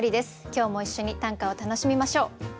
今日も一緒に短歌を楽しみましょう。